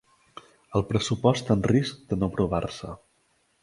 El pressupost en risc de no aprovar-se